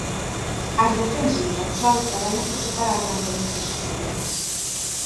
As defensas dos acusados traballan por separado e manteñen teses diferentes.